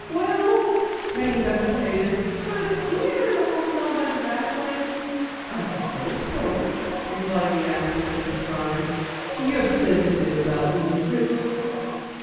"Well " Penny hesitated, "could we enter the hotel by the back way?" "I suppose so," replied the actress in surprise. "You're sensitive about being crippled?"